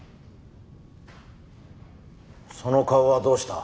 その顔はどうした？